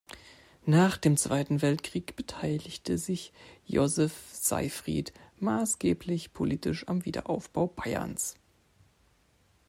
Nach dem Zweiten Weltkrieg beteiligte sich Josef Seifried maßgeblich politisch am Wiederaufbau Bayerns.